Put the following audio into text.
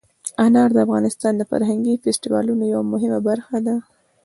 انار د افغانستان د فرهنګي فستیوالونو یوه مهمه برخه ده.